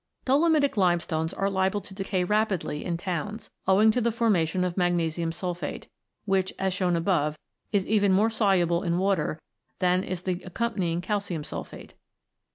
Dolomitic limestones are liable to decay rapidly in towns, owing to the formation of magnesium sulphate, which, as shown above, is even more soluble in water than is the accompanying calcium sulphate.